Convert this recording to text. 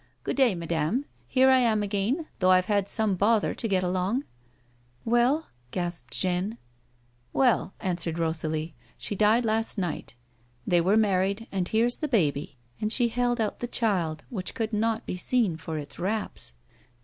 " Good day, madame ; here I am again, though I've had some bother to get along." " Well ?" gasped Jeanne. " Well," answered Rosalie, " she died last night. They were married and here's the baby," and she held out the child which could not be seen for its wraps.